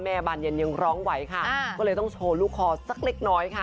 บานเย็นยังร้องไหวค่ะก็เลยต้องโชว์ลูกคอสักเล็กน้อยค่ะ